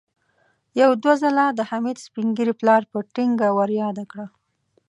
يو دوه ځله د حميد سپين ږيري پلار په ټينګه ور ياده کړه.